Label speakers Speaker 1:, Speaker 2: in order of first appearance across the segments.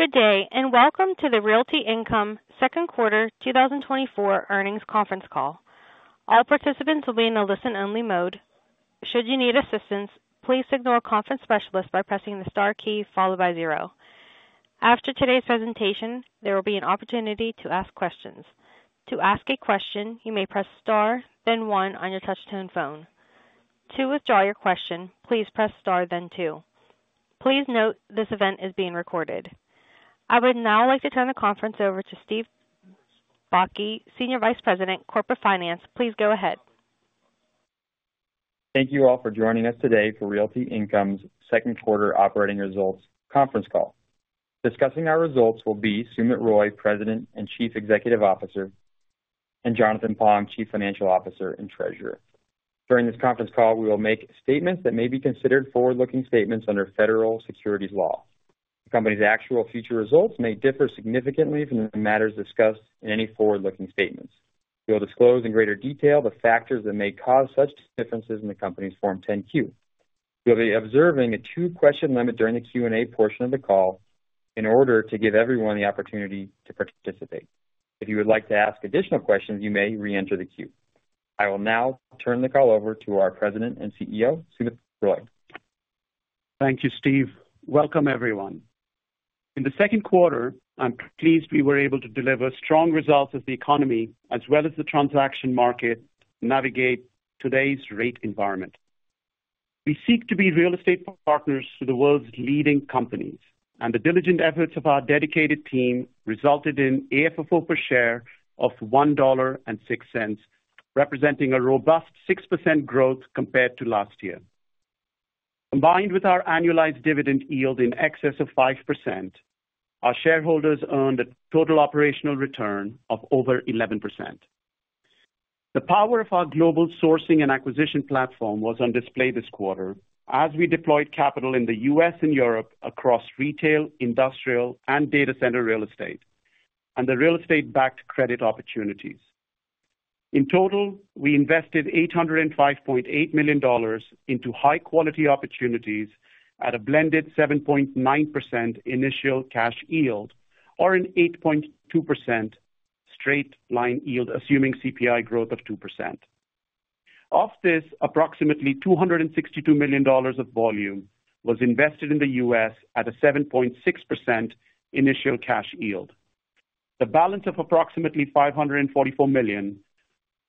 Speaker 1: Good day, and welcome to the Realty Income Second Quarter 2024 Earnings Conference Call. All participants will be in a listen-only mode. Should you need assistance, please signal a conference specialist by pressing the star key followed by zero. After today's presentation, there will be an opportunity to ask questions. To ask a question, you may press Star, then one on your touchtone phone. To withdraw your question, please press Star, then two. Please note, this event is being recorded. I would now like to turn the conference over to Steve Bakke, Senior Vice President, Corporate Finance. Please go ahead.
Speaker 2: Thank you all for joining us today for Realty Income's second quarter operating results conference call. Discussing our results will be Sumit Roy, President and Chief Executive Officer, and Jonathan Pong, Chief Financial Officer and Treasurer. During this conference call, we will make statements that may be considered forward-looking statements under federal securities law. The company's actual future results may differ significantly from the matters discussed in any forward-looking statements. We'll disclose in greater detail the factors that may cause such differences in the company's Form 10-Q. We'll be observing a two-question limit during the Q&A portion of the call in order to give everyone the opportunity to participate. If you would like to ask additional questions, you may re-enter the queue. I will now turn the call over to our President and CEO, Sumit Roy.
Speaker 3: Thank you, Steve. Welcome, everyone. In the second quarter, I'm pleased we were able to deliver strong results as the economy, as well as the transaction market, navigate today's rate environment. We seek to be real estate partners to the world's leading companies, and the diligent efforts of our dedicated team resulted in AFFO per share of $1.06, representing a robust 6% growth compared to last year. Combined with our annualized dividend yield in excess of 5%, our shareholders earned a total operational return of over 11%. The power of our global sourcing and acquisition platform was on display this quarter as we deployed capital in the U.S. and Europe across retail, industrial, and data center real estate, and the real estate-backed credit opportunities. In total, we invested $805.8 million into high-quality opportunities at a blended 7.9% initial cash yield or an 8.2% straight line yield, assuming CPI growth of 2%. Of this, approximately $262 million of volume was invested in the U.S. at a 7.6% initial cash yield. The balance of approximately $544 million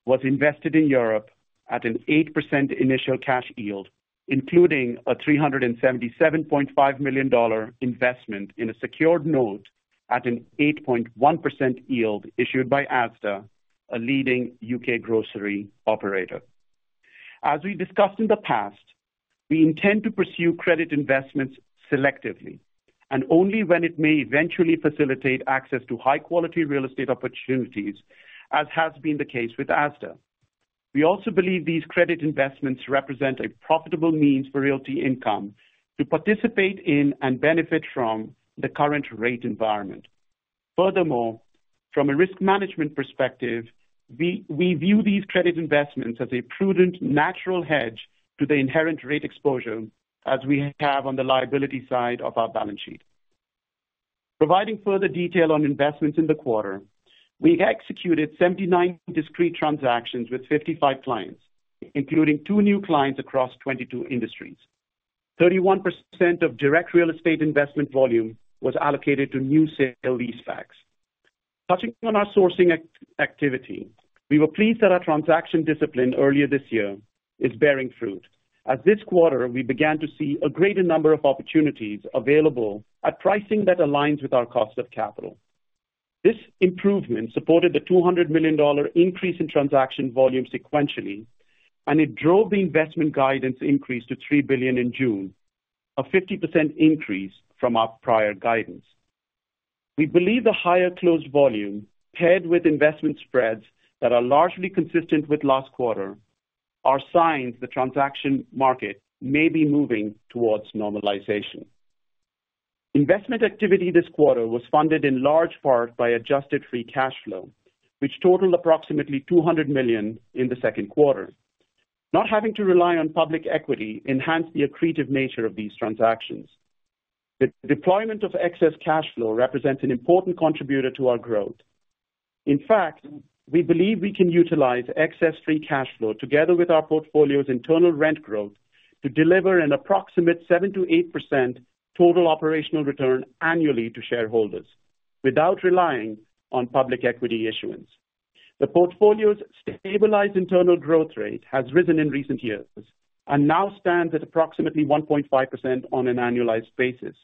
Speaker 3: was invested in Europe at an 8% initial cash yield, including a $377.5 million investment in a secured note at an 8.1% yield issued by Asda, a leading U.K. grocery operator. As we discussed in the past, we intend to pursue credit investments selectively and only when it may eventually facilitate access to high-quality real estate opportunities, as has been the case with Asda. We also believe these credit investments represent a profitable means for Realty Income to participate in and benefit from the current rate environment. Furthermore, from a risk management perspective, we, we view these credit investments as a prudent natural hedge to the inherent rate exposure as we have on the liability side of our balance sheet. Providing further detail on investments in the quarter, we executed 79 discrete transactions with 55 clients, including two new clients across 22 industries. 31% of direct real estate investment volume was allocated to new sale-leasebacks. Touching on our sourcing activity, we were pleased that our transaction discipline earlier this year is bearing fruit. As of this quarter, we began to see a greater number of opportunities available at pricing that aligns with our cost of capital. This improvement supported the $200 million increase in transaction volume sequentially, and it drove the investment guidance increase to $3 billion in June, a 50% increase from our prior guidance. We believe the higher closed volume, paired with investment spreads that are largely consistent with last quarter, are signs the transaction market may be moving towards normalization. Investment activity this quarter was funded in large part by adjusted free cash flow, which totaled approximately $200 million in the second quarter. Not having to rely on public equity enhanced the accretive nature of these transactions. The deployment of excess cash flow represents an important contributor to our growth. In fact, we believe we can utilize excess free cash flow together with our portfolio's internal rent growth to deliver an approximate 7%-8% total operational return annually to shareholders without relying on public equity issuance. The portfolio's stabilized internal growth rate has risen in recent years and now stands at approximately 1.5% on an annualized basis,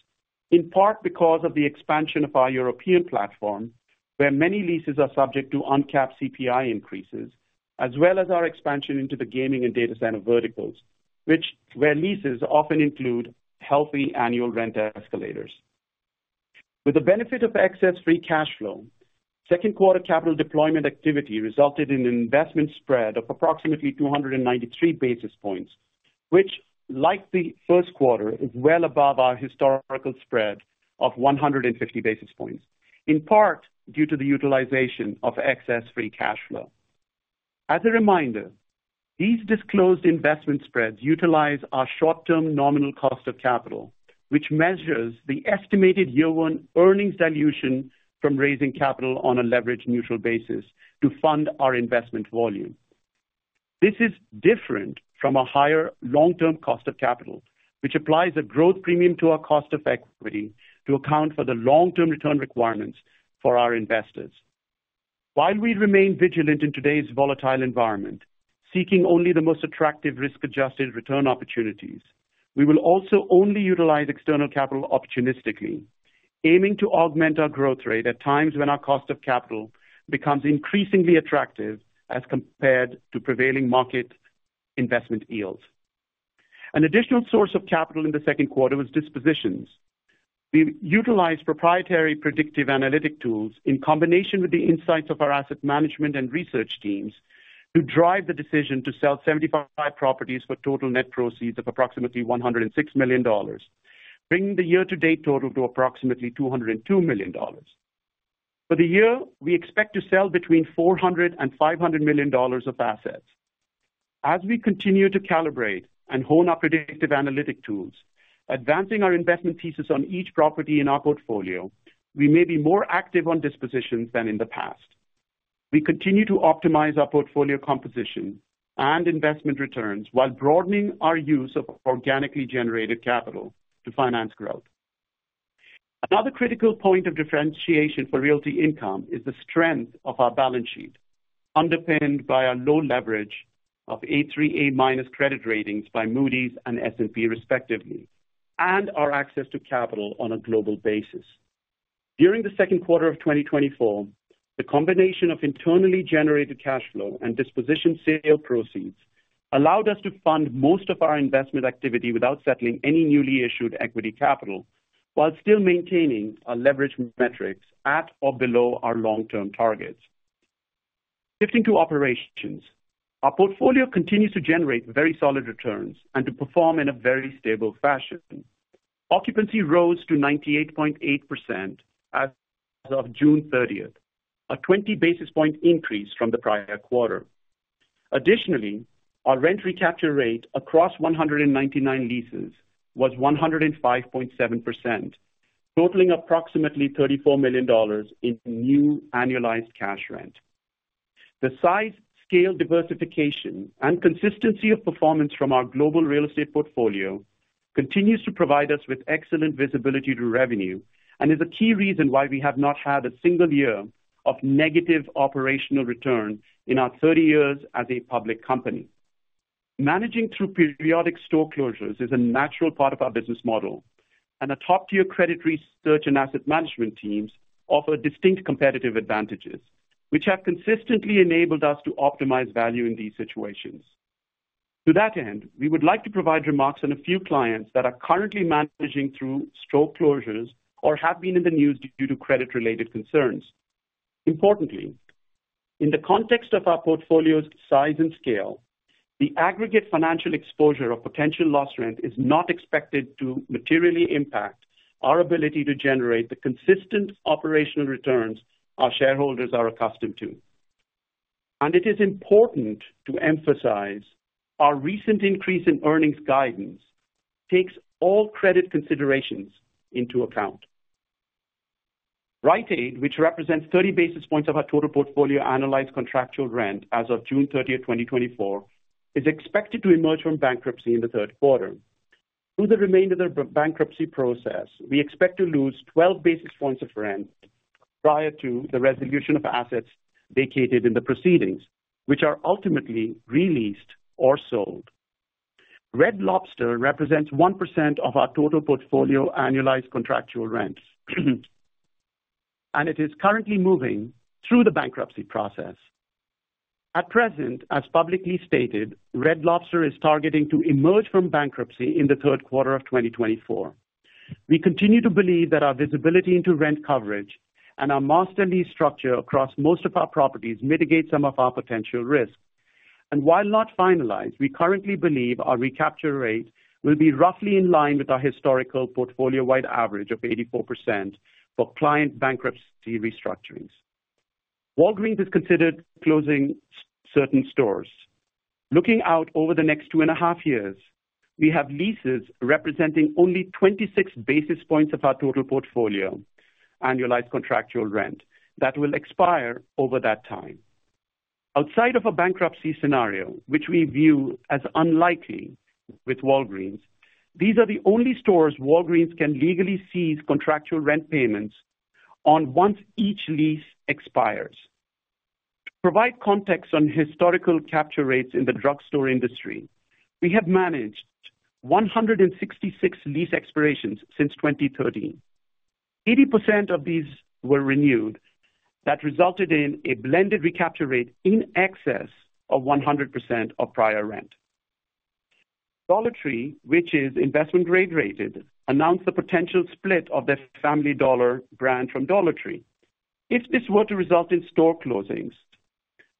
Speaker 3: in part because of the expansion of our European platform, where many leases are subject to uncapped CPI increases, as well as our expansion into the gaming and data center verticals, where leases often include healthy annual rent escalators. With the benefit of excess free cash flow, second quarter capital deployment activity resulted in an investment spread of approximately 293 basis points, which, like the first quarter, is well above our historical spread of 150 basis points, in part due to the utilization of excess free cash flow. As a reminder, these disclosed investment spreads utilize our short-term nominal cost of capital, which measures the estimated year one earnings dilution from raising capital on a leverage neutral basis to fund our investment volume. This is different from a higher long-term cost of capital, which applies a growth premium to our cost of equity to account for the long-term return requirements for our investors. While we remain vigilant in today's volatile environment, seeking only the most attractive risk-adjusted return opportunities, we will also only utilize external capital opportunistically, aiming to augment our growth rate at times when our cost of capital becomes increasingly attractive as compared to prevailing market investment yields. An additional source of capital in the second quarter was dispositions. We utilized proprietary predictive analytic tools in combination with the insights of our asset management and research teams, to drive the decision to sell 75 properties for total net proceeds of approximately $106 million, bringing the year-to-date total to approximately $202 million. For the year, we expect to sell between $400 million and $500 million of assets. As we continue to calibrate and hone our predictive analytic tools, advancing our investment thesis on each property in our portfolio, we may be more active on dispositions than in the past. We continue to optimize our portfolio composition and investment returns while broadening our use of organically generated capital to finance growth. Another critical point of differentiation for Realty Income is the strength of our balance sheet, underpinned by our low leverage of A3/A- credit ratings by Moody's and S&P, respectively, and our access to capital on a global basis. During the second quarter of 2024, the combination of internally generated cash flow and disposition sale proceeds allowed us to fund most of our investment activity without settling any newly issued equity capital, while still maintaining our leverage metrics at or below our long-term targets. Shifting to operations. Our portfolio continues to generate very solid returns and to perform in a very stable fashion. Occupancy rose to 98.8% as of June 30th, a 20 basis point increase from the prior quarter. Additionally, our rent recapture rate across 199 leases was 105.7%, totaling approximately $34 million in new annualized cash rent. The size, scale, diversification, and consistency of performance from our global real estate portfolio continues to provide us with excellent visibility to revenue and is a key reason why we have not had a single year of negative operational return in our 30 years as a public company. Managing through periodic store closures is a natural part of our business model, and a top-tier credit research and asset management teams offer distinct competitive advantages, which have consistently enabled us to optimize value in these situations. To that end, we would like to provide remarks on a few clients that are currently managing through store closures or have been in the news due to credit-related concerns. Importantly, in the context of our portfolio's size and scale, the aggregate financial exposure of potential loss rent is not expected to materially impact our ability to generate the consistent operational returns our shareholders are accustomed to. And it is important to emphasize our recent increase in earnings guidance takes all credit considerations into account. Rite Aid, which represents 30 basis points of our total portfolio, annualized contractual rent as of June 30, 2024, is expected to emerge from bankruptcy in the third quarter. Through the remainder of the bankruptcy process, we expect to lose 12 basis points of rent prior to the resolution of assets vacated in the proceedings, which are ultimately re-leased or sold. Red Lobster represents 1% of our total portfolio annualized contractual rents, and it is currently moving through the bankruptcy process. At present, as publicly stated, Red Lobster is targeting to emerge from bankruptcy in the third quarter of 2024. We continue to believe that our visibility into rent coverage and our master lease structure across most of our properties mitigate some of our potential risks. And while not finalized, we currently believe our recapture rate will be roughly in line with our historical portfolio-wide average of 84% for client bankruptcy restructurings. Walgreens is considering closing certain stores. Looking out over the next two and a half years, we have leases representing only 26 basis points of our total portfolio, annualized contractual rent, that will expire over that time. Outside of a bankruptcy scenario, which we view as unlikely with Walgreens, these are the only stores Walgreens can legally cease contractual rent payments on once each lease expires. To provide context on historical capture rates in the drugstore industry, we have managed 166 lease expirations since 2013. 80% of these were renewed. That resulted in a blended recapture rate in excess of 100% of prior rent. Dollar Tree, which is investment grade rated, announced the potential split of their Family Dollar brand from Dollar Tree. If this were to result in store closings,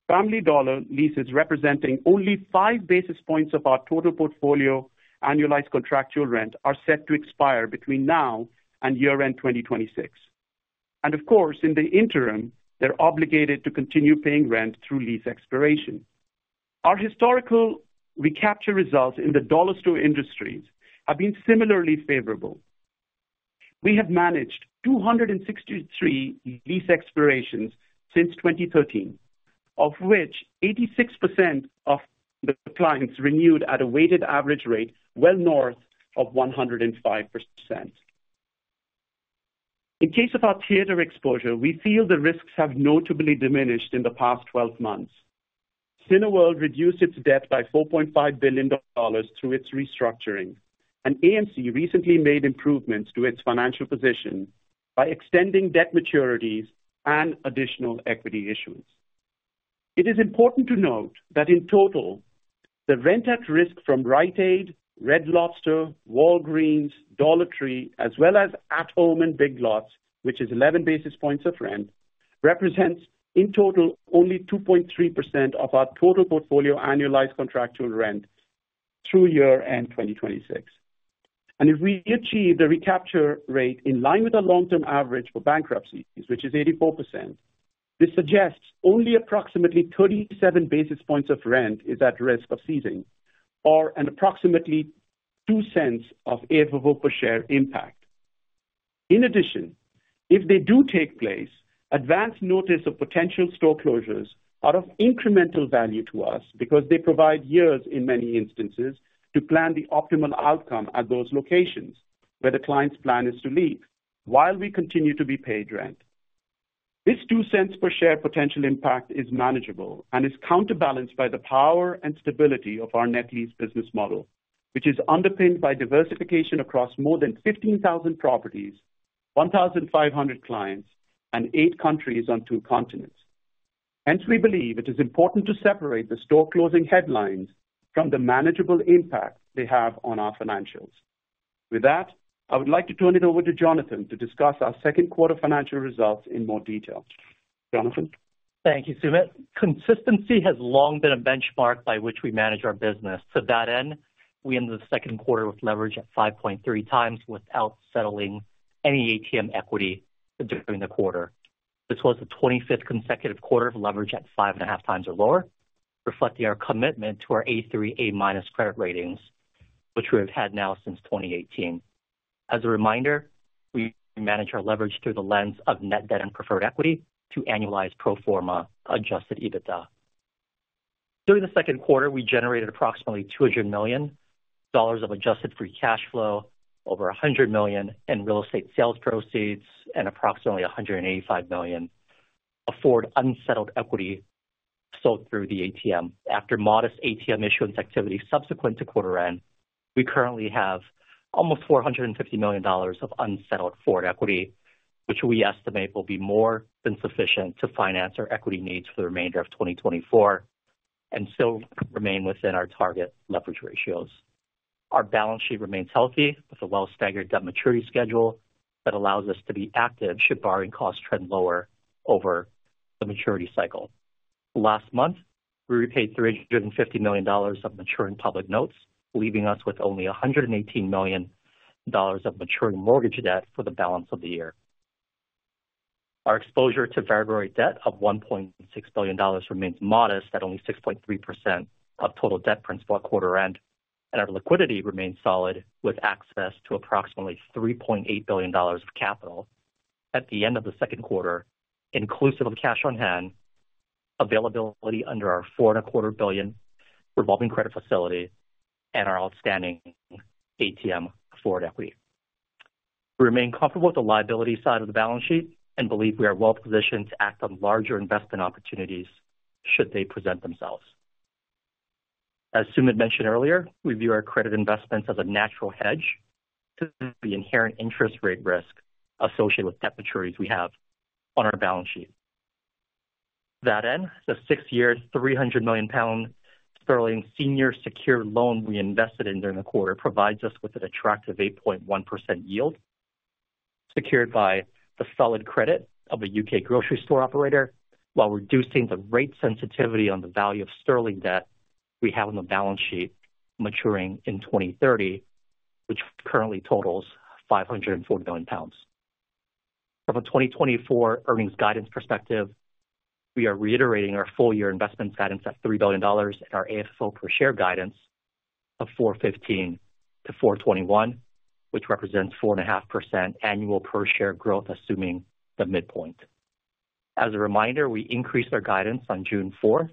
Speaker 3: Family Dollar leases, representing only 5 basis points of our total portfolio, annualized contractual rent, are set to expire between now and year-end 2026. Of course, in the interim, they're obligated to continue paying rent through lease expiration. Our historical recapture results in the dollar store industries have been similarly favorable. We have managed 263 lease expirations since 2013, of which 86% of the clients renewed at a weighted average rate well north of 105%. In case of our theater exposure, we feel the risks have notably diminished in the past 12 months. Cineworld reduced its debt by $4.5 billion through its restructuring, and AMC recently made improvements to its financial position by extending debt maturities and additional equity issuance. It is important to note that in total, the rent at risk from Rite Aid, Red Lobster, Walgreens, Dollar Tree, as well as At Home and Big Lots, which is 11 basis points of rent, represents, in total, only 2.3% of our total portfolio annualized contractual rent through year end 2026. If we achieve the recapture rate in line with the long-term average for bankruptcies, which is 84%, this suggests only approximately 37 basis points of rent is at risk of ceasing, or an approximately $0.02 of AFFO per share impact. In addition, if they do take place, advanced notice of potential store closures are of incremental value to us because they provide years, in many instances, to plan the optimal outcome at those locations where the client's plan is to leave while we continue to be paid rent. This $0.02 per share potential impact is manageable and is counterbalanced by the power and stability of our net lease business model, which is underpinned by diversification across more than 15,000 properties, 1,500 clients and 8 countries on 2 continents. Hence, we believe it is important to separate the store closing headlines from the manageable impact they have on our financials. With that, I would like to turn it over to Jonathan to discuss our second quarter financial results in more detail. Jonathan?
Speaker 4: Thank you, Sumit. Consistency has long been a benchmark by which we manage our business. To that end, we ended the second quarter with leverage at 5.3x without settling any ATM equity during the quarter. This was the 25th consecutive quarter of leverage at 5.5x or lower, reflecting our commitment to our A3/A- credit ratings, which we have had now since 2018. As a reminder, we manage our leverage through the lens of net debt and preferred equity to annualized pro forma adjusted EBITDA. During the second quarter, we generated approximately $200 million of adjusted free cash flow, over $100 million in real estate sales proceeds, and approximately $185 million of forward unsettled equity sold through the ATM. After modest ATM issuance activity subsequent to quarter end, we currently have almost $450 million of unsettled forward equity, which we estimate will be more than sufficient to finance our equity needs for the remainder of 2024, and still remain within our target leverage ratios. Our balance sheet remains healthy, with a well staggered debt maturity schedule that allows us to be active should borrowing costs trend lower over the maturity cycle. Last month, we repaid $350 million of maturing public notes, leaving us with only $118 million of maturing mortgage debt for the balance of the year. Our exposure to variable rate debt of $1.6 billion remains modest, at only 6.3% of total debt principal at quarter end, and our liquidity remains solid, with access to approximately $3.8 billion of capital at the end of the second quarter, inclusive of cash on hand, availability under our $4.25 billion revolving credit facility and our outstanding ATM forward equity. We remain comfortable with the liability side of the balance sheet and believe we are well positioned to act on larger investment opportunities should they present themselves. As Sumit mentioned earlier, we view our credit investments as a natural hedge to the inherent interest rate risk associated with debt maturities we have on our balance sheet. that end, the 6-year, £300 million senior secured loan we invested in during the quarter, provides us with an attractive 8.1% yield, secured by the solid credit of a U.K. grocery store operator, while reducing the rate sensitivity on the value of Sterling debt we have on the balance sheet maturing in 2030, which currently totals £504 million. From a 2024 earnings guidance perspective, we are reiterating our full year investment guidance at $3 billion and our AFFO per share guidance of $4.15-$4.21, which represents 4.5% annual per share growth, assuming the midpoint. As a reminder, we increased our guidance on June fourth,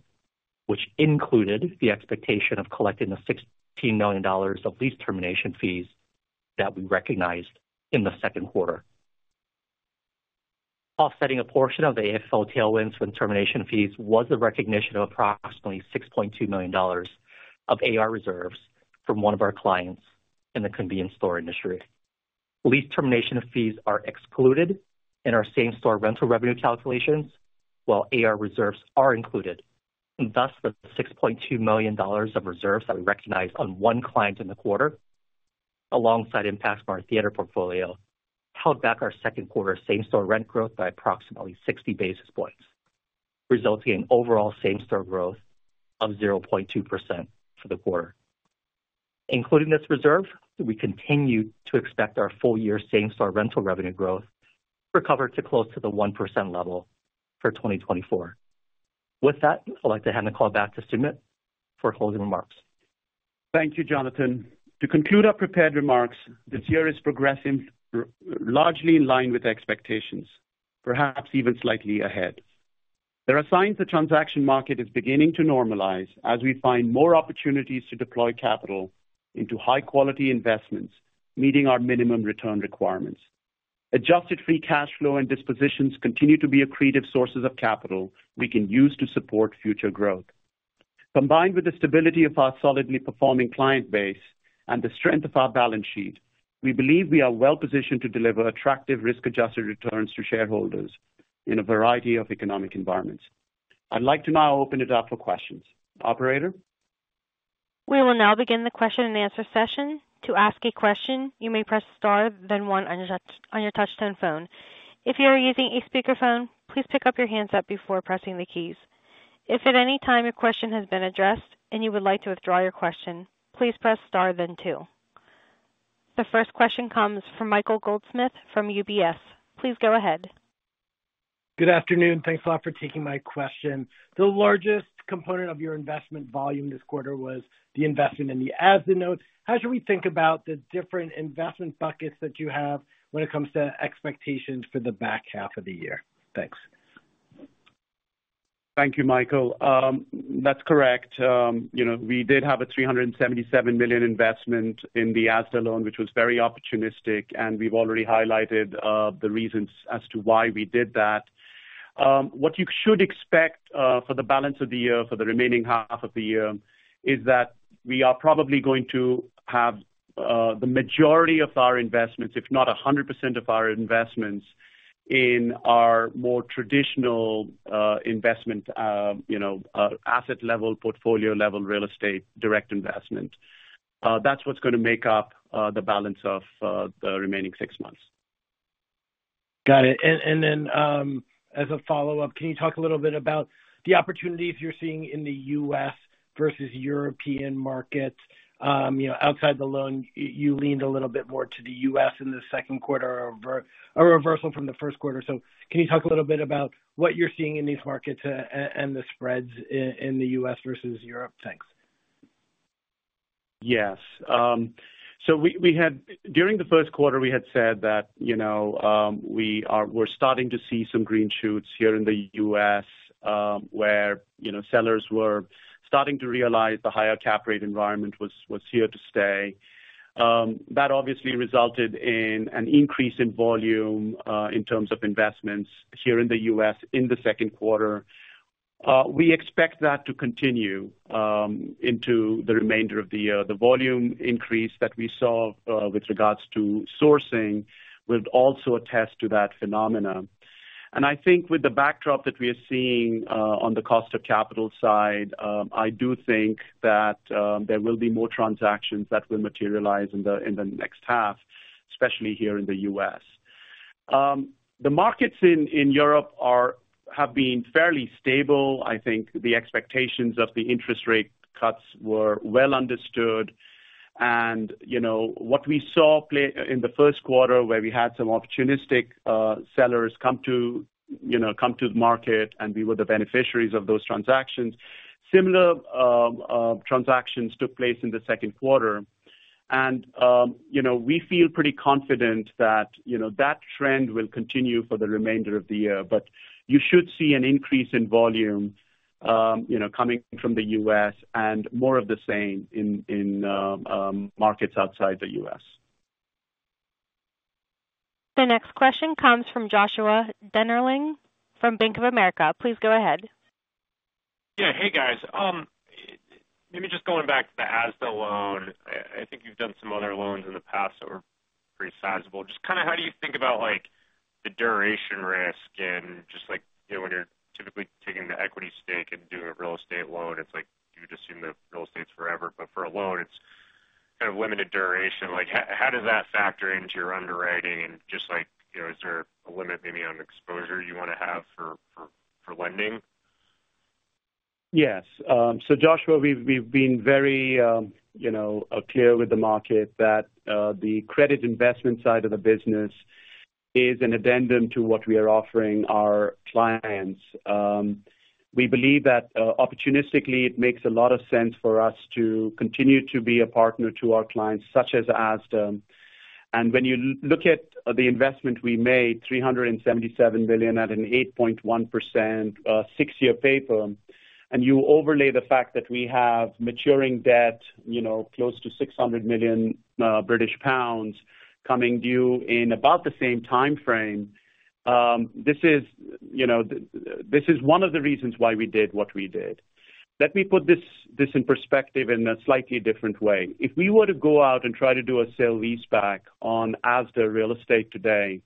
Speaker 4: which included the expectation of collecting the $16 million of lease termination fees that we recognized in the second quarter. Offsetting a portion of the AFFO tailwinds from termination fees was the recognition of approximately $6.2 million of AR reserves from one of our clients in the convenience store industry. Lease termination fees are excluded in our same-store rental revenue calculations, while AR reserves are included. Thus, the $6.2 million of reserves that we recognized on one client in the quarter, alongside impacts from our theater portfolio, held back our second quarter same-store rent growth by approximately 60 basis points, resulting in overall same-store growth of 0.2% for the quarter. Including this reserve, we continue to expect our full-year same-store rental revenue growth to recover to close to the 1% level for 2024. With that, I'd like to hand the call back to Sumit for closing remarks.
Speaker 3: Thank you, Jonathan. To conclude our prepared remarks, this year is progressing largely in line with expectations, perhaps even slightly ahead. There are signs the transaction market is beginning to normalize as we find more opportunities to deploy capital into high-quality investments, meeting our minimum return requirements. Adjusted Free Cash Flow and dispositions continue to be accretive sources of capital we can use to support future growth. Combined with the stability of our solidly performing client base and the strength of our balance sheet, we believe we are well-positioned to deliver attractive risk-adjusted returns to shareholders in a variety of economic environments. I'd like to now open it up for questions. Operator?
Speaker 1: We will now begin the question-and-answer session. To ask a question, you may press star, then one on your touchtone phone. If you are using a speakerphone, please pick up your handset before pressing the keys. If at any time your question has been addressed and you would like to withdraw your question, please press star, then two. The first question comes from Michael Goldsmith from UBS. Please go ahead.
Speaker 5: Good afternoon. Thanks a lot for taking my question. The largest component of your investment volume this quarter was the investment in the Asda notes. How should we think about the different investment buckets that you have when it comes to expectations for the back half of the year? Thanks.
Speaker 3: Thank you, Michael. That's correct. You know, we did have a $377 million investment in the Asda loan, which was very opportunistic, and we've already highlighted the reasons as to why we did that. What you should expect for the balance of the year, for the remaining half of the year, is that we are probably going to have the majority of our investments, if not 100% of our investments, in our more traditional investment, you know, asset-level, portfolio-level, real estate, direct investment. That's what's gonna make up the balance of the remaining six months.
Speaker 5: Got it. And then, as a follow-up, can you talk a little bit about the opportunities you're seeing in the U.S. versus European markets? You know, outside the loan, you leaned a little bit more to the U.S. in the second quarter, a reversal from the first quarter. So can you talk a little bit about what you're seeing in these markets, and the spreads in the U.S. versus Europe? Thanks.
Speaker 3: Yes. So we had during the first quarter, we had said that, you know, we are, we're starting to see some green shoots here in the U.S., where, you know, sellers were starting to realize the higher cap rate environment was, was here to stay. That obviously resulted in an increase in volume in terms of investments here in the U.S. in the second quarter. We expect that to continue into the remainder of the year. The volume increase that we saw with regards to sourcing will also attest to that phenomena. And I think with the backdrop that we are seeing on the cost of capital side, I do think that there will be more transactions that will materialize in the next half, especially here in the U.S. The markets in Europe have been fairly stable. I think the expectations of the interest rate cuts were well understood. You know, what we saw play in the first quarter, where we had some opportunistic sellers come to, you know, come to the market, and we were the beneficiaries of those transactions. Similar transactions took place in the second quarter, and you know, we feel pretty confident that, you know, that trend will continue for the remainder of the year. But you should see an increase in volume, you know, coming from the U.S. and more of the same in markets outside the U.S.
Speaker 1: The next question comes from Joshua Dennerlein from Bank of America. Please go ahead.
Speaker 6: Yeah. Hey, guys. Maybe just going back to the Asda loan, I think you've done some other loans in the past that were pretty sizable. Just kind of how do you think about, like, the duration risk and just like, you know, when you're typically taking the equity stake and doing a real estate loan, it's like you just assume the real estate's forever, but for a loan, it's kind of limited duration. Like, how does that factor into your underwriting? And just like, you know, is there a limit maybe on exposure you want to have for lending?
Speaker 3: Yes. So Joshua, we've been very, you know, clear with the market that the credit investment side of the business is an addendum to what we are offering our clients. We believe that opportunistically, it makes a lot of sense for us to continue to be a partner to our clients, such as Asda. And when you look at the investment we made, £377 million at an 8.1%, 6-year paper, and you overlay the fact that we have maturing debt, you know, close to 600 million British pounds, coming due in about the same timeframe. This is, you know, this is one of the reasons why we did what we did. Let me put this in perspective in a slightly different way. If we were to go out and try to do a sale leaseback on Asda real estate today,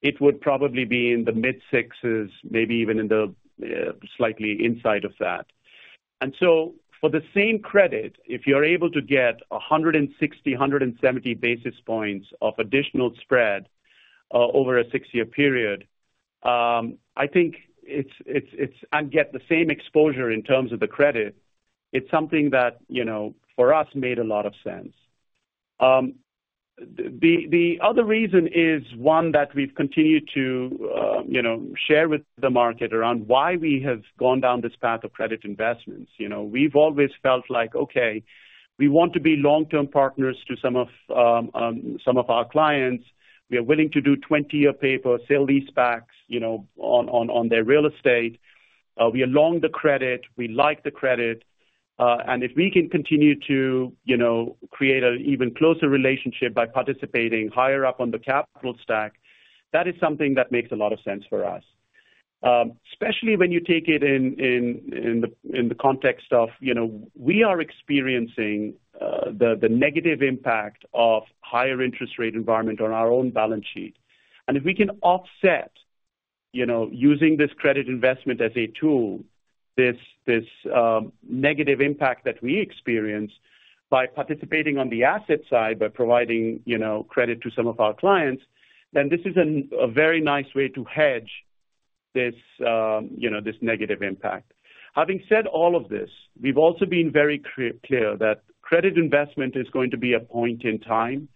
Speaker 3: it would probably be in the mid sixes, maybe even in the slightly inside of that. And so for the same credit, if you're able to get 160-170 basis points of additional spread over a 6-year period and get the same exposure in terms of the credit. It's something that, you know, for us, made a lot of sense. The other reason is one that we've continued to, you know, share with the market around why we have gone down this path of credit investments. You know, we've always felt like, okay, we want to be long-term partners to some of some of our clients. We are willing to do 20-year paper sale leasebacks, you know, on their real estate. We are long the credit, we like the credit, and if we can continue to, you know, create an even closer relationship by participating higher up on the capital stack, that is something that makes a lot of sense for us. Especially when you take it in the context of, you know, we are experiencing the negative impact of higher interest rate environment on our own balance sheet. And if we can offset, you know, using this credit investment as a tool, this negative impact that we experience by participating on the asset side, by providing, you know, credit to some of our clients, then this is a very nice way to hedge this, you know, this negative impact. Having said all of this, we've also been very clear that credit investment is going to be a point in time.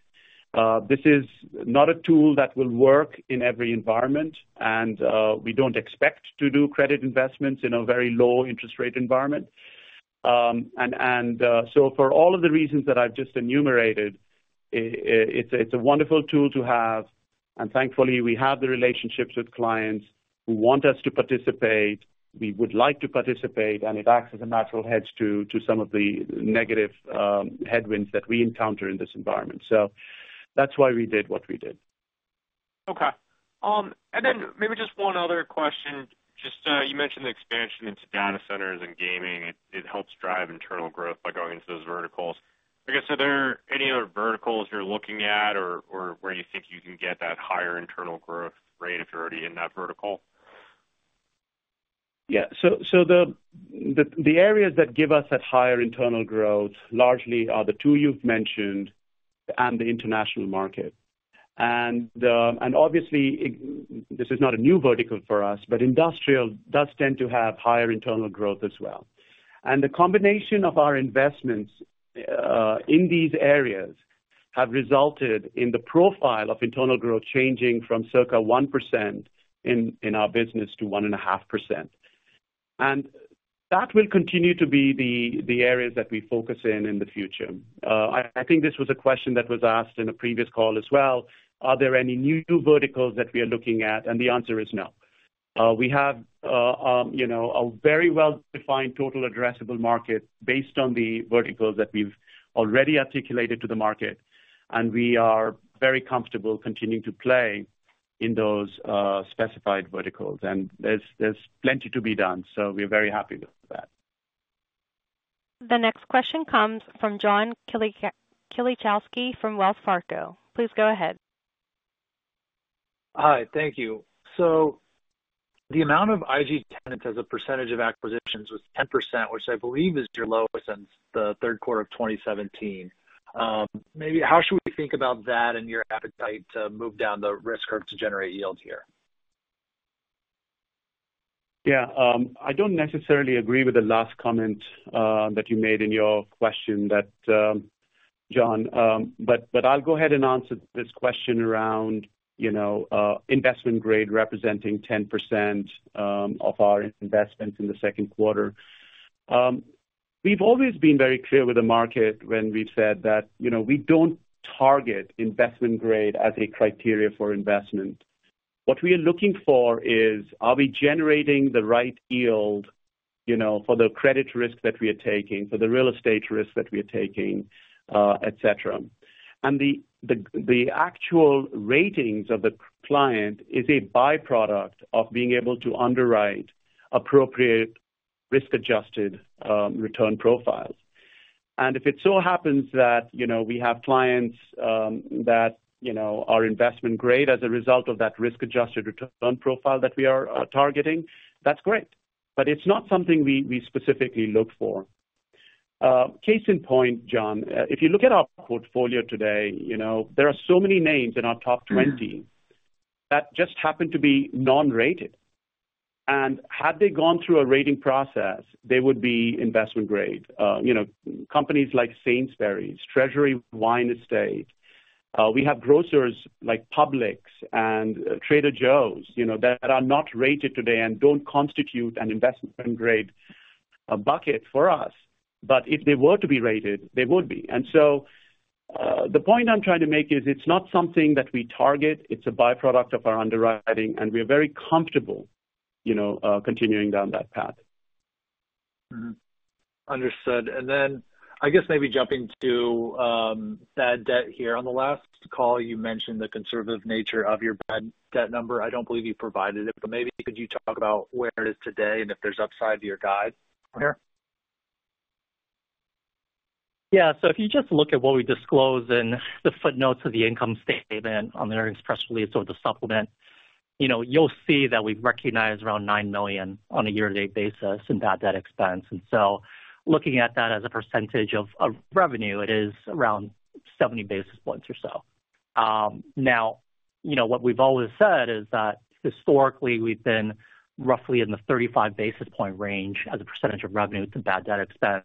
Speaker 3: This is not a tool that will work in every environment, and we don't expect to do credit investments in a very low interest rate environment. So for all of the reasons that I've just enumerated, it's a wonderful tool to have, and thankfully, we have the relationships with clients who want us to participate. We would like to participate, and it acts as a natural hedge to some of the negative headwinds that we encounter in this environment. So that's why we did what we did.
Speaker 6: Okay. Maybe just one other question. Just, you mentioned the expansion into data centers and gaming. It helps drive internal growth by going into those verticals. I guess, are there any other verticals you're looking at or where you think you can get that higher internal growth rate if you're already in that vertical?
Speaker 3: Yeah. So the areas that give us that higher internal growth largely are the two you've mentioned and the international market. And obviously, it, this is not a new vertical for us, but industrial does tend to have higher internal growth as well. And the combination of our investments in these areas have resulted in the profile of internal growth changing from circa 1% in our business to 1.5%. And that will continue to be the areas that we focus in the future. I think this was a question that was asked in a previous call as well: Are there any new verticals that we are looking at? And the answer is no. We have, you know, a very well-defined total addressable market based on the verticals that we've already articulated to the market, and we are very comfortable continuing to play in those specified verticals. And there's plenty to be done, so we're very happy with that.
Speaker 1: The next question comes from John Kilichowski from Wells Fargo. Please go ahead.
Speaker 7: Hi, thank you. So the amount of IG tenants as a percentage of acquisitions was 10%, which I believe is your lowest since the third quarter of 2017. Maybe how should we think about that and your appetite to move down the risk curve to generate yields here?
Speaker 3: Yeah, I don't necessarily agree with the last comment that you made in your question, that, John, but I'll go ahead and answer this question around, you know, Investment Grade representing 10% of our investments in the second quarter. We've always been very clear with the market when we've said that, you know, we don't target investment grade as a criteria for investment. What we are looking for is, are we generating the right yield, you know, for the credit risk that we are taking, for the real estate risk that we are taking, et cetera. And the actual ratings of the client is a byproduct of being able to underwrite appropriate risk-adjusted return profiles. If it so happens that, you know, we have clients, that, you know, are investment grade as a result of that risk-adjusted return profile that we are, targeting, that's great, but it's not something we, we specifically look for. Case in point, John, if you look at our portfolio today, you know, there are so many names in our top 20 that just happen to be non-rated. Had they gone through a rating process, they would be investment grade. You know, companies like Sainsbury's, Treasury Wine Estates. We have grocers like Publix and Trader Joe's, you know, that are not rated today and don't constitute an investment grade, a bucket for us. But if they were to be rated, they would be. So, the point I'm trying to make is, it's not something that we target. It's a byproduct of our underwriting, and we are very comfortable, you know, continuing down that path.
Speaker 7: Mm-hmm. Understood. And then I guess maybe jumping to bad debt here. On the last call, you mentioned the conservative nature of your bad debt number. I don't believe you provided it, but maybe could you talk about where it is today and if there's upside to your guide here?
Speaker 4: Yeah. So if you just look at what we disclose in the footnotes of the income statement on the earnings press release or the supplement, you know, you'll see that we've recognized around $9 million on a year-to-date basis in bad debt expense. And so looking at that as a percentage of, of revenue, it is around-...
Speaker 3: 70 basis points or so. Now, you know, what we've always said is that historically we've been roughly in the 35 basis point range as a percentage of revenue to bad debt expense,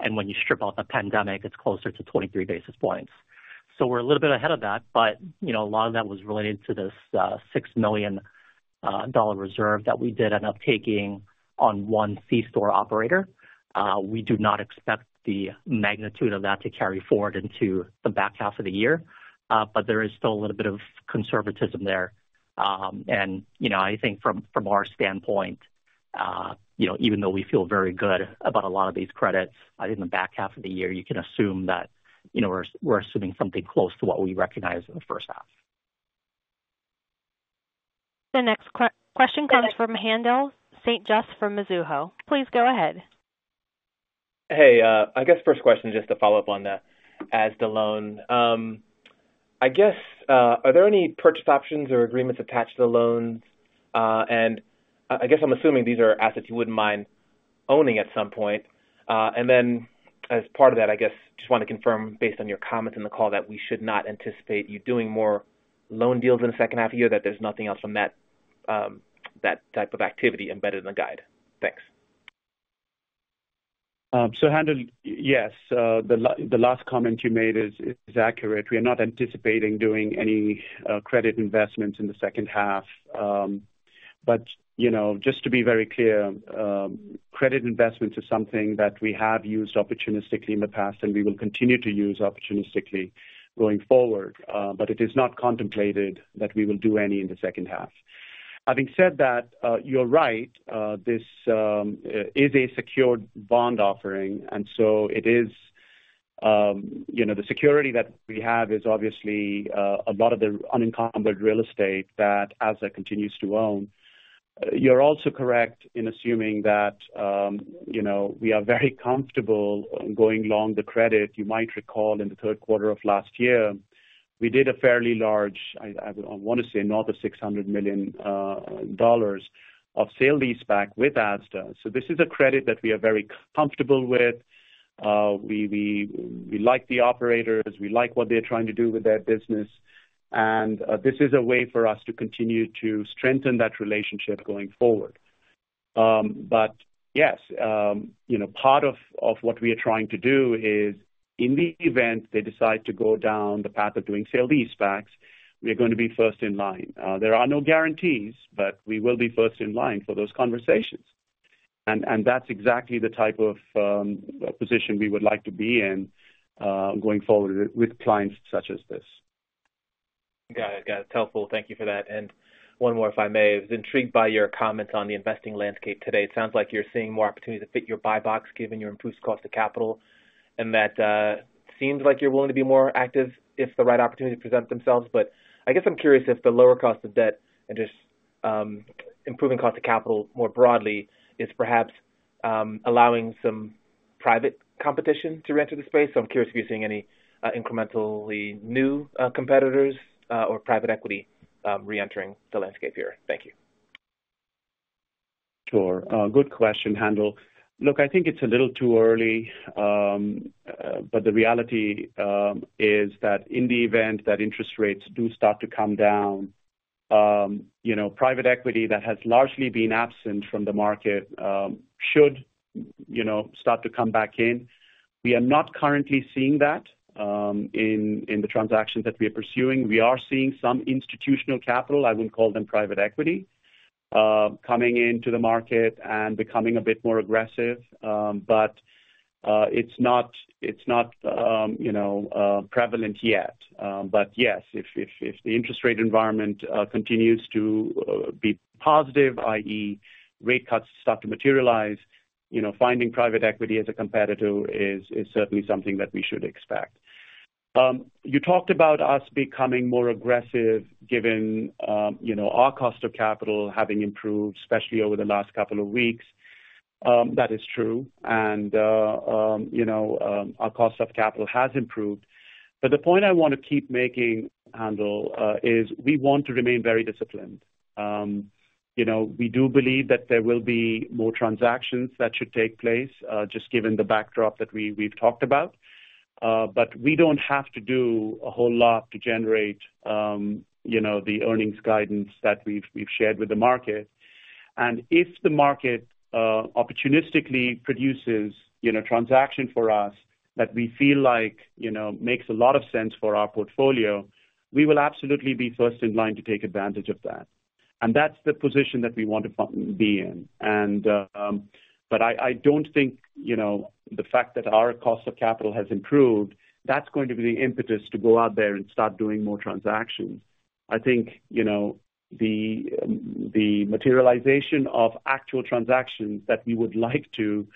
Speaker 3: and when you strip out the pandemic, it's closer to 23 basis points. So we're a little bit ahead of that, but, you know, a lot of that was related to this $6 million reserve that we did end up taking on one C-store operator. We do not expect the magnitude of that to carry forward into the back half of the year. But there is still a little bit of conservatism there. And you know, I think from our standpoint, you know, even though we feel very good about a lot of these credits, I think in the back half of the year, you can assume that, you know, we're assuming something close to what we recognize in the first half.
Speaker 1: The next question comes from Haendel St. Juste from Mizuho. Please go ahead.
Speaker 8: Hey, I guess first question, just to follow up on that, on the loan. I guess, are there any purchase options or agreements attached to the loans? And I guess I'm assuming these are assets you wouldn't mind owning at some point. And then as part of that, I guess, just want to confirm, based on your comments in the call, that we should not anticipate you doing more loan deals in the second half of the year, that there's nothing else from that, that type of activity embedded in the guide. Thanks.
Speaker 3: So Haendel, yes, the last comment you made is accurate. We are not anticipating doing any credit investments in the second half. But, you know, just to be very clear, credit investments is something that we have used opportunistically in the past, and we will continue to use opportunistically going forward. But it is not contemplated that we will do any in the second half. Having said that, you're right. This is a secured bond offering, and so it is, you know, the security that we have is obviously a lot of the unencumbered real estate that Asda continues to own. You're also correct in assuming that, you know, we are very comfortable going along the credit. You might recall in the third quarter of last year, we did a fairly large. I want to say north of $600 million of sale-leaseback with Asda. So this is a credit that we are very comfortable with. We like the operators, we like what they're trying to do with their business, and this is a way for us to continue to strengthen that relationship going forward. But yes, you know, part of what we are trying to do is, in the event they decide to go down the path of doing sale-leasebacks, we are going to be first in line. There are no guarantees, but we will be first in line for those conversations. That's exactly the type of position we would like to be in, going forward with clients such as this.
Speaker 8: Got it. Got it. Helpful. Thank you for that. And one more, if I may. I was intrigued by your comments on the investing landscape today. It sounds like you're seeing more opportunity to fit your buy box, given your improved cost of capital, and that seems like you're willing to be more active if the right opportunity presents themselves. But I guess I'm curious if the lower cost of debt and just improving cost of capital more broadly is perhaps allowing some private competition to reenter the space. So I'm curious if you're seeing any incrementally new competitors or private equity reentering the landscape here. Thank you.
Speaker 3: Sure. Good question, Haendel. Look, I think it's a little too early, but the reality is that in the event that interest rates do start to come down, you know, private equity that has largely been absent from the market should, you know, start to come back in. We are not currently seeing that in the transactions that we are pursuing. We are seeing some institutional capital, I wouldn't call them private equity, coming into the market and becoming a bit more aggressive. But it's not prevalent yet. But yes, if the interest rate environment continues to be positive, i.e., rate cuts start to materialize, you know, finding private equity as a competitor is certainly something that we should expect. You talked about us becoming more aggressive, given, you know, our cost of capital having improved, especially over the last couple of weeks. That is true, and, you know, our cost of capital has improved. But the point I want to keep making, Haendel, is we want to remain very disciplined. You know, we do believe that there will be more transactions that should take place just given the backdrop that we've talked about. But we don't have to do a whole lot to generate, you know, the earnings guidance that we've shared with the market. And if the market opportunistically produces, you know, transaction for us that we feel like, you know, makes a lot of sense for our portfolio, we will absolutely be first in line to take advantage of that. That's the position that we want to be in. But I don't think, you know, the fact that our cost of capital has improved, that's going to be the impetus to go out there and start doing more transactions. I think, you know, the materialization of actual transactions that we would like to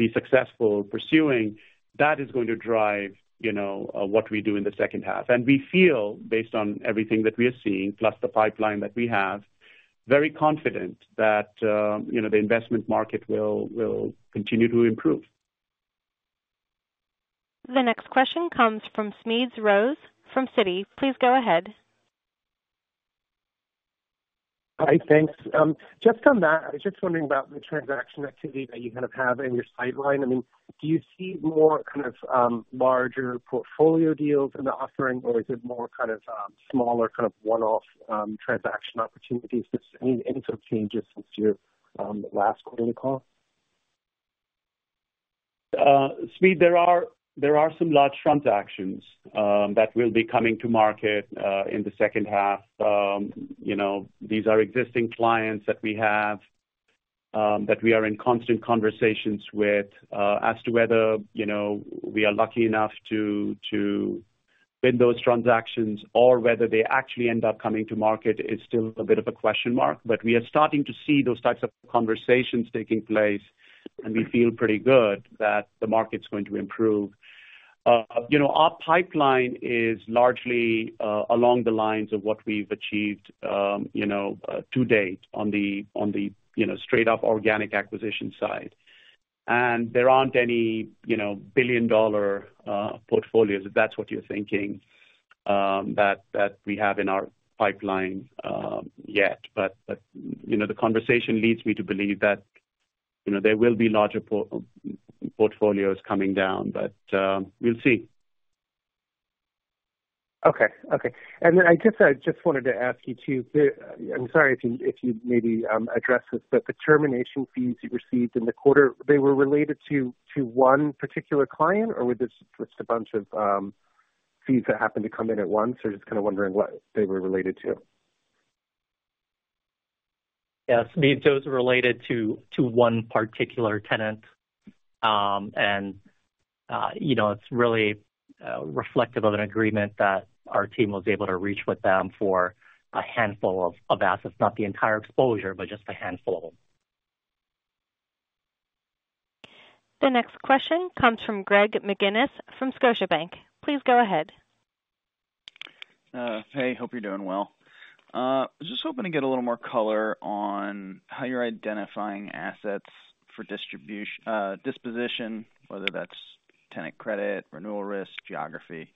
Speaker 3: be successful pursuing, that is going to drive, you know, what we do in the second half. We feel, based on everything that we are seeing, plus the pipeline that we have, very confident that, you know, the investment market will continue to improve.
Speaker 1: The next question comes from Smedes Rose, from Citi. Please go ahead. ...
Speaker 9: Hi, thanks. Just on that, I was just wondering about the transaction activity that you kind of have in your pipeline. I mean, do you see more kind of, larger portfolio deals in the offering, or is it more kind of, smaller, kind of one-off, transaction opportunities? Does it mean any sort of changes since your, last quarterly call?
Speaker 3: Smedes, there are some large transactions that will be coming to market in the second half. You know, these are existing clients that we have that we are in constant conversations with. As to whether, you know, we are lucky enough to win those transactions or whether they actually end up coming to market is still a bit of a question mark. But we are starting to see those types of conversations taking place, and we feel pretty good that the market's going to improve. You know, our pipeline is largely along the lines of what we've achieved you know to date on the straight up organic acquisition side. And there aren't any, you know, billion-dollar portfolios, if that's what you're thinking, that we have in our pipeline, yet. But you know, the conversation leads me to believe that, you know, there will be larger portfolios coming down, but we'll see.
Speaker 9: Okay. Okay. And then I guess I just wanted to ask you, too, the... I'm sorry if you, if you'd maybe, address this, but the termination fees you received in the quarter, they were related to, to one particular client, or were this just a bunch of, fees that happened to come in at once? Or just kind of wondering what they were related to.
Speaker 3: Yes, Smedes, those are related to one particular tenant. And you know, it's really reflective of an agreement that our team was able to reach with them for a handful of assets. Not the entire exposure, but just a handful.
Speaker 1: The next question comes from Greg McGinnis from Scotiabank. Please go ahead.
Speaker 10: Hey, hope you're doing well. Just hoping to get a little more color on how you're identifying assets for disposition, whether that's tenant credit, renewal risk, geography.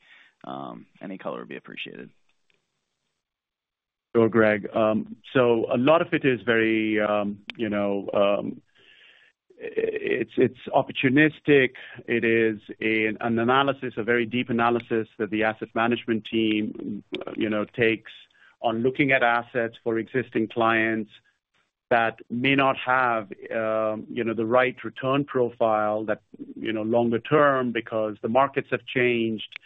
Speaker 10: Any color would be appreciated.
Speaker 3: Sure, Greg. So a lot of it is very, you know, it's, it's opportunistic. It is an analysis, a very deep analysis that the asset management team, you know, takes on looking at assets for existing clients that may not have, you know, the right return profile that, you know, longer term, because the markets have changed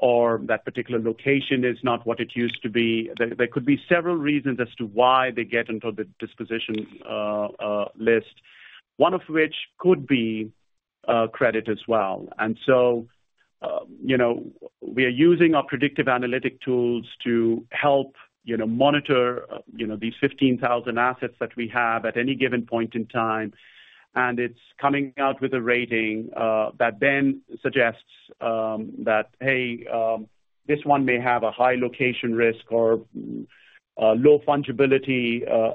Speaker 3: or that particular location is not what it used to be. There could be several reasons as to why they get into the disposition list, one of which could be credit as well. And so, you know, we are using our predictive analytic tools to help, you know, monitor, you know, these 15,000 assets that we have at any given point in time. And it's coming out with a rating that then suggests that, hey, this one may have a high location risk or low fungibility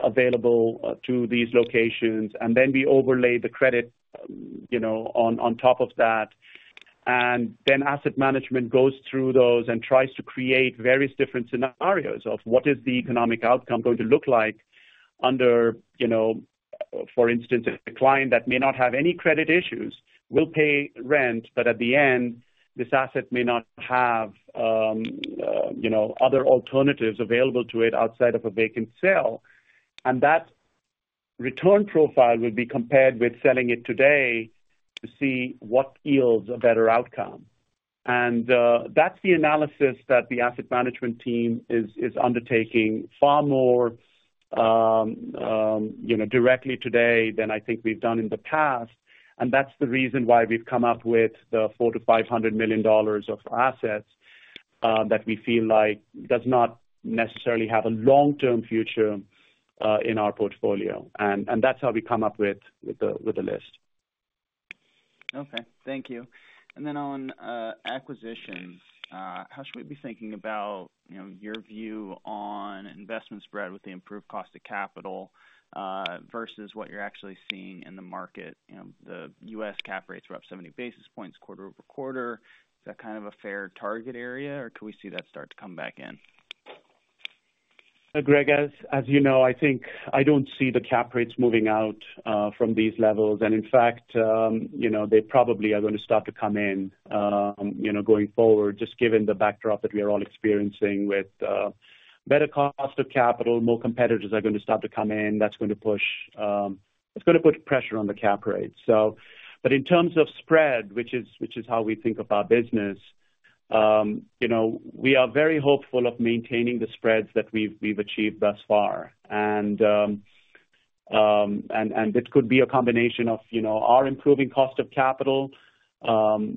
Speaker 3: available to these locations. And then we overlay the credit, you know, on top of that, and then asset management goes through those and tries to create various different scenarios of what is the economic outcome going to look like under, you know... For instance, a client that may not have any credit issues will pay rent, but at the end, this asset may not have, you know, other alternatives available to it outside of a vacant sale. And that return profile will be compared with selling it today to see what yields a better outcome. And that's the analysis that the asset management team is undertaking far more, you know, directly today than I think we've done in the past. And that's the reason why we've come up with $400 million-$500 million of assets that we feel like does not necessarily have a long-term future in our portfolio. And that's how we come up with the list.
Speaker 10: Okay. Thank you. And then on acquisitions, how should we be thinking about, you know, your view on investment spread with the improved cost of capital, versus what you're actually seeing in the market? You know, the U.S. cap rates were up 70 basis points quarter-over-quarter. Is that kind of a fair target area, or could we see that start to come back in?
Speaker 3: Greg, as you know, I think I don't see the cap rates moving out from these levels. And in fact, you know, they probably are going to start to come in, you know, going forward, just given the backdrop that we are all experiencing with better cost of capital, more competitors are going to start to come in. That's going to push it's going to put pressure on the cap rate, so. But in terms of spread, which is how we think of our business, you know, we are very hopeful of maintaining the spreads that we've achieved thus far. And it could be a combination of, you know, our improving cost of capital,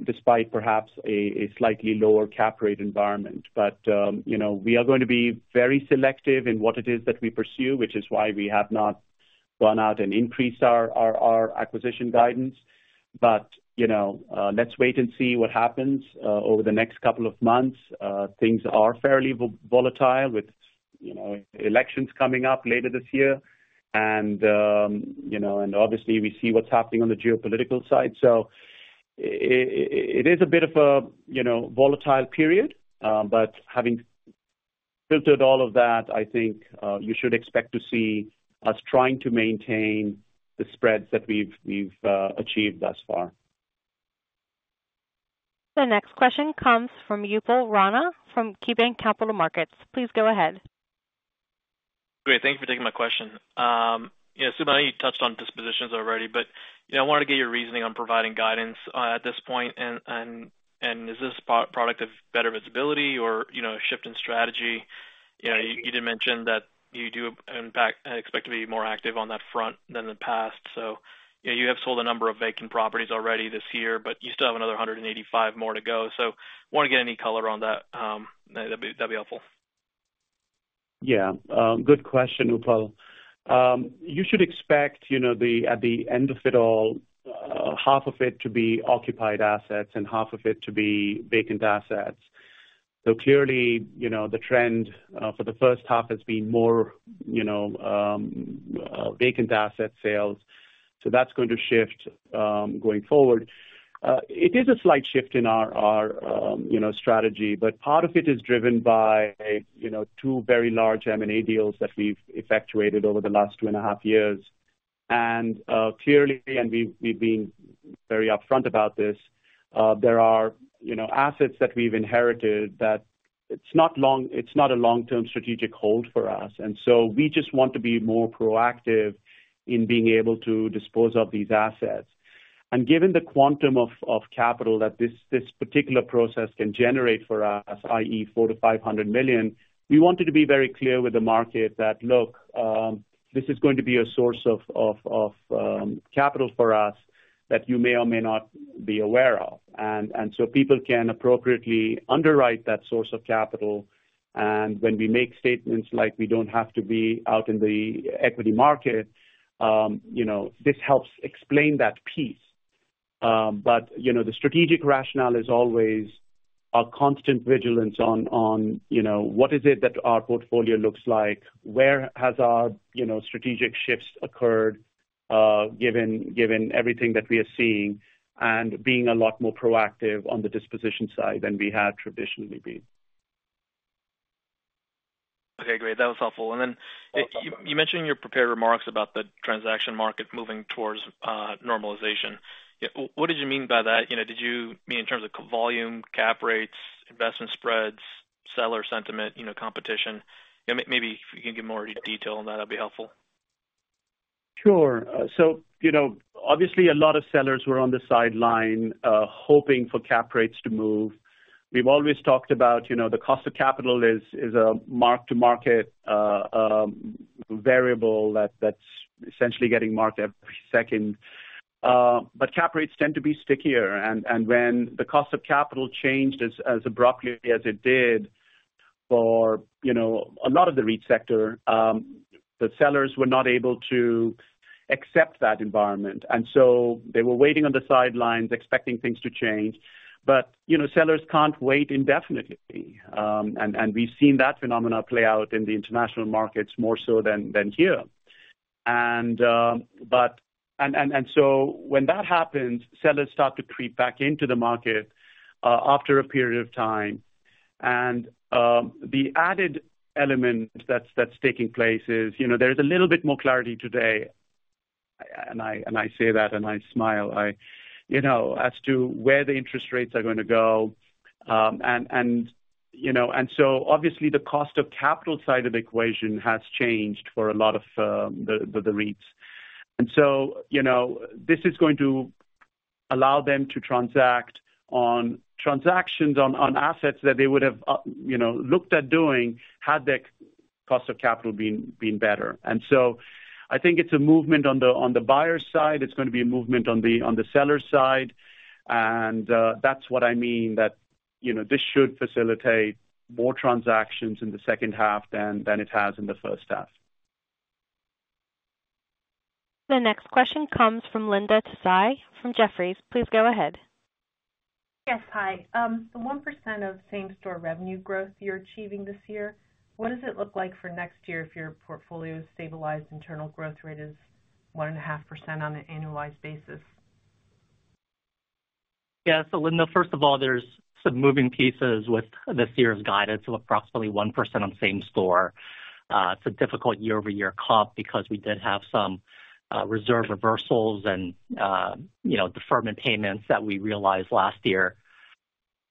Speaker 3: despite perhaps a slightly lower cap rate environment. But, you know, we are going to be very selective in what it is that we pursue, which is why we have not gone out and increased our acquisition guidance. But, you know, let's wait and see what happens over the next couple of months. Things are fairly volatile with, you know, elections coming up later this year, and, you know, and obviously we see what's happening on the geopolitical side. It is a bit of a, you know, volatile period, but having filtered all of that, I think, you should expect to see us trying to maintain the spreads that we've achieved thus far.
Speaker 1: The next question comes from Upal Rana from KeyBanc Capital Markets. Please go ahead.
Speaker 11: Great. Thank you for taking my question. Yeah, Sumit, I know you touched on dispositions already, but, you know, I wanted to get your reasoning on providing guidance at this point, and is this a byproduct of better visibility or, you know, a shift in strategy? You know, you did mention that you do, in fact, expect to be more active on that front than in the past. So, you know, you have sold a number of vacant properties already this year, but you still have another 185 more to go. So want to get any color on that, that'd be helpful.
Speaker 3: Yeah, good question, Upal. You should expect, you know, at the end of it all, half of it to be occupied assets and half of it to be vacant assets. So clearly, you know, the trend for the first half has been more, you know, vacant asset sales, so that's going to shift going forward. It is a slight shift in our, you know, strategy, but part of it is driven by, you know, two very large M&A deals that we've effectuated over the last two and a half years. Clearly, we've been very upfront about this, there are, you know, assets that we've inherited that it's not a long-term strategic hold for us. And so we just want to be more proactive in being able to dispose of these assets. Given the quantum of capital that this particular process can generate for us, i.e., $400 million-$500 million, we wanted to be very clear with the market that, look, this is going to be a source of capital for us that you may or may not be aware of. And so people can appropriately underwrite that source of capital, and when we make statements like, we don't have to be out in the equity market, you know, this helps explain that piece. But, you know, the strategic rationale is always a constant vigilance on, you know, what is it that our portfolio looks like? Where has our, you know, strategic shifts occurred, given everything that we are seeing, and being a lot more proactive on the disposition side than we had traditionally been.
Speaker 11: Okay, great. That was helpful.
Speaker 3: Welcome.
Speaker 11: And then you mentioned in your prepared remarks about the transaction market moving towards normalization. Yeah, what did you mean by that? You know, did you mean in terms of volume, cap rates, investment spreads, seller sentiment, you know, competition? You know, maybe if you can give more detail on that, that'd be helpful.
Speaker 3: Sure. So, you know, obviously a lot of sellers were on the sideline, hoping for cap rates to move. We've always talked about, you know, the cost of capital is, is a mark to market variable that, that's essentially getting marked every second. But cap rates tend to be stickier, and when the cost of capital changed as abruptly as it did for, you know, a lot of the REIT sector, the sellers were not able to accept that environment. And so they were waiting on the sidelines, expecting things to change. But, you know, sellers can't wait indefinitely. And we've seen that phenomena play out in the international markets more so than here. And so when that happens, sellers start to creep back into the market, after a period of time. And the added element that's taking place is, you know, there's a little bit more clarity today, and I say that, and I smile. You know, as to where the interest rates are going to go. And so, you know, and so obviously the cost of capital side of the equation has changed for a lot of the REITs. And so, you know, this is going to allow them to transact on transactions on assets that they would have, you know, looked at doing, had the cost of capital been better. And so I think it's a movement on the buyer's side, it's gonna be a movement on the seller side. That's what I mean, that, you know, this should facilitate more transactions in the second half than, than it has in the first half.
Speaker 1: The next question comes from Linda Tsai from Jefferies. Please go ahead.
Speaker 12: Yes. Hi. The 1% of same-store revenue growth you're achieving this year, what does it look like for next year if your portfolio's stabilized internal growth rate is 1.5% on an annualized basis?
Speaker 4: Yeah. So, Linda, first of all, there's some moving pieces with this year's guidance of approximately 1% on same-store. It's a difficult year-over-year comp because we did have some reserve reversals and, you know, deferment payments that we realized last year.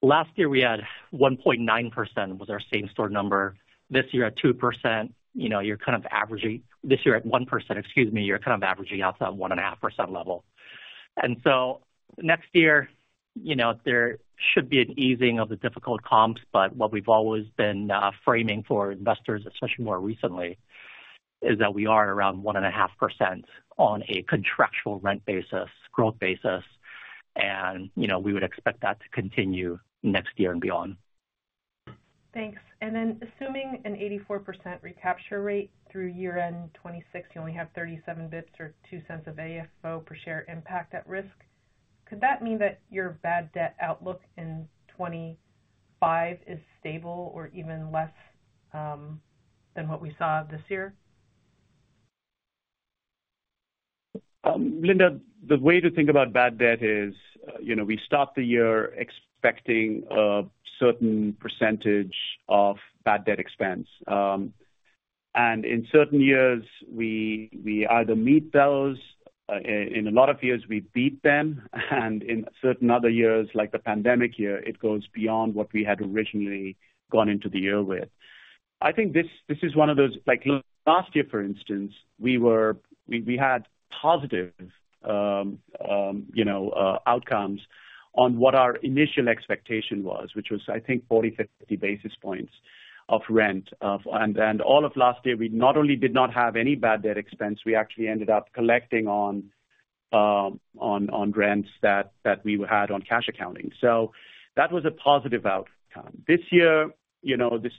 Speaker 4: Last year, we had 1.9% was our same-store number. This year at 2%, you know, you're kind of averaging-- This year at 1%, excuse me, you're kind of averaging out that 1.5% level. And so next year, you know, there should be an easing of the difficult comps, but what we've always been framing for investors, especially more recently, is that we are around 1.5% on a contractual rent basis, growth basis, and, you know, we would expect that to continue next year and beyond.
Speaker 12: Thanks. Assuming an 84% recapture rate through year-end 2026, you only have 37 basis points or $0.02 of AFFO per share impact at risk. Could that mean that your bad debt outlook in 2025 is stable or even less than what we saw this year?...
Speaker 3: Linda, the way to think about bad debt is, you know, we start the year expecting a certain percentage of bad debt expense. And in certain years, we either meet those, in a lot of years, we beat them, and in certain other years, like the pandemic year, it goes beyond what we had originally gone into the year with. I think this is one of those—like last year, for instance, we had positive, you know, outcomes on what our initial expectation was, which was, I think, 40, 50 basis points of rent of... And all of last year, we not only did not have any bad debt expense, we actually ended up collecting on rents that we had on cash accounting. So that was a positive outcome. This year, you know, this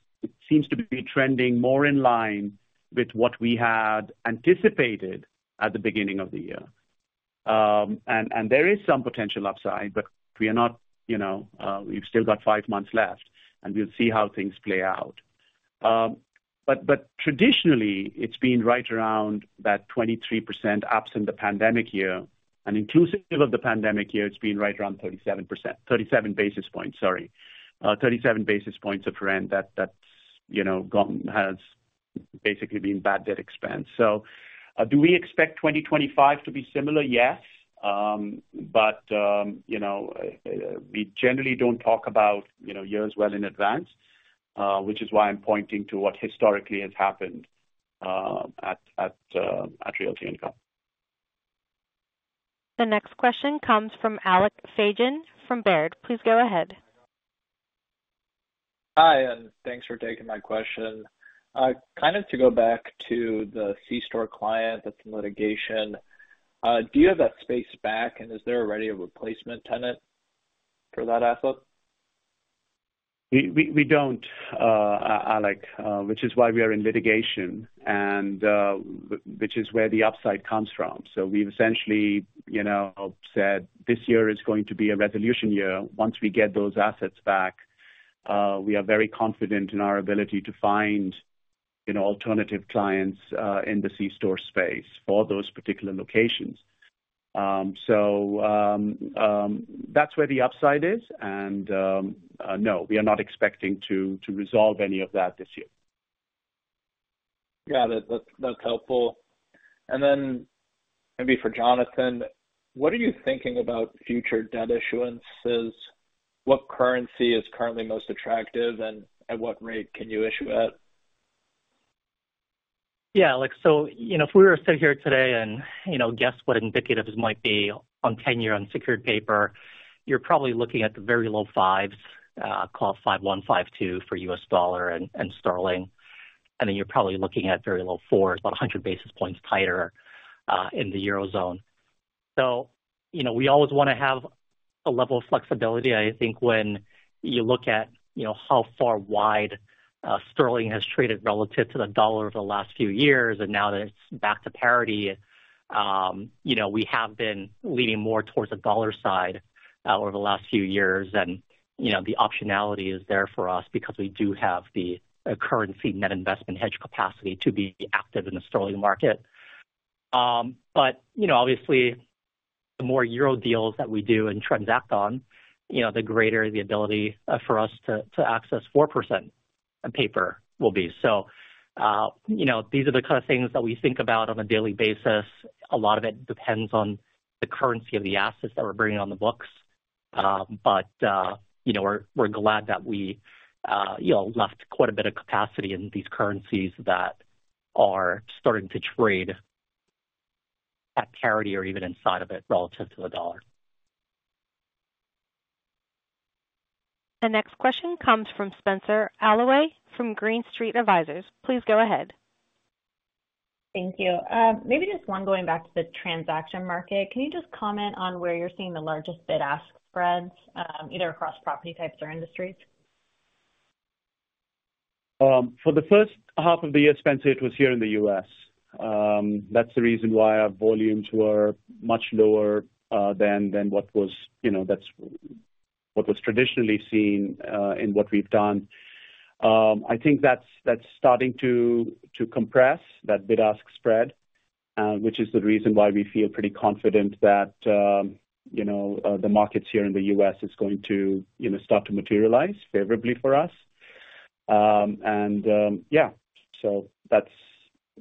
Speaker 3: seems to be trending more in line with what we had anticipated at the beginning of the year. And there is some potential upside, but we are not, you know, we've still got five months left, and we'll see how things play out. But traditionally, it's been right around that 23% absent the pandemic year. And inclusive of the pandemic year, it's been right around 37%--37 basis points, sorry. Thirty-seven basis points of rent that's, you know, gone, has basically been bad debt expense. So, do we expect 2025 to be similar? Yes. But, you know, we generally don't talk about, you know, years well in advance, which is why I'm pointing to what historically has happened at Realty Income.
Speaker 1: The next question comes from Alec Fagan from Baird. Please go ahead.
Speaker 13: Hi, and thanks for taking my question. Kind of to go back to the C-store client that's in litigation. Do you have that space back, and is there already a replacement tenant for that asset?
Speaker 3: We don't, Alec, which is why we are in litigation, and which is where the upside comes from. So we've essentially, you know, said this year is going to be a resolution year. Once we get those assets back, we are very confident in our ability to find, you know, alternative clients, in the C-store space for those particular locations. So, that's where the upside is, and, no, we are not expecting to resolve any of that this year.
Speaker 13: Got it. That's, that's helpful. And then maybe for Jonathan, what are you thinking about future debt issuances? What currency is currently most attractive, and at what rate can you issue it?
Speaker 4: Yeah, Alex, so, you know, if we were to sit here today and, you know, guess what indicative might be on 10-year unsecured paper, you're probably looking at the very low 5s, call 5.1-5.2 for U.S. dollar and Sterling. And then you're probably looking at very low 4s, about 100 basis points tighter, in the Eurozone. So, you know, we always wanna have a level of flexibility. I think when you look at, you know, how far wide, Sterling has traded relative to the dollar over the last few years, and now that it's back to parity, you know, we have been leaning more towards the dollar side, over the last few years. And, you know, the optionality is there for us because we do have the currency net investment hedge capacity to be active in the Sterling market. But, you know, obviously, the more Euro deals that we do and transact on, you know, the greater the ability for us to access 4% on paper will be. So, you know, these are the kind of things that we think about on a daily basis. A lot of it depends on the currency of the assets that we're bringing on the books. But, you know, we're glad that we, you know, left quite a bit of capacity in these currencies that are starting to trade at parity or even inside of it, relative to the U.S. dollar.
Speaker 1: The next question comes from Spenser Allaway, from Green Street Advisors. Please go ahead.
Speaker 14: Thank you. Maybe just one going back to the transaction market. Can you just comment on where you're seeing the largest bid-ask spreads, either across property types or industries?
Speaker 3: For the first half of the year, Spenser, it was here in the U.S. That's the reason why our volumes were much lower, than, than what was, you know, that's what was traditionally seen, in what we've done. I think that's, that's starting to, to compress, that bid-ask spread, which is the reason why we feel pretty confident that, you know, the markets here in the U.S. is going to, you know, start to materialize favorably for us. And, yeah, so that's,